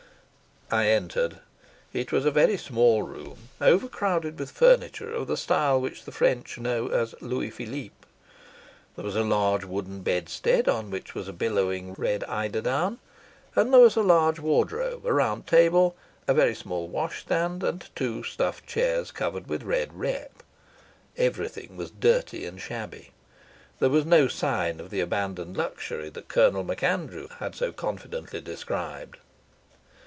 I entered. It was a very small room, overcrowded with furniture of the style which the French know as Louis Philippe. There was a large wooden bedstead on which was a billowing red eiderdown, and there was a large wardrobe, a round table, a very small washstand, and two stuffed chairs covered with red rep. Everything was dirty and shabby. There was no sign of the abandoned luxury that Colonel MacAndrew had so confidently described.